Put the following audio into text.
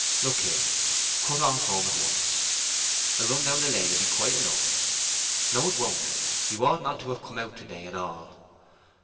Look here, cut off home at once." "A run down the lane will be quite enough." "No, it won't. You ought not to have come out to day at all."